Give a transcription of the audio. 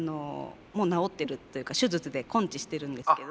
もう治ってるというか手術で根治してるんですけど。